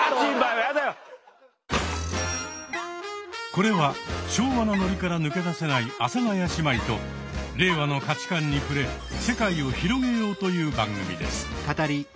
これは昭和なノリから抜け出せない阿佐ヶ谷姉妹と令和の価値観に触れ世界を広げようという番組です。